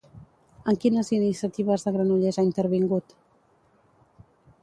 En quines iniciatives de Granollers ha intervingut?